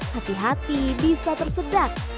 hati hati bisa tersedak